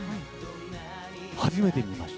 初めて見ました。